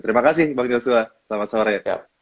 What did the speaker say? terima kasih bang joshua selamat sore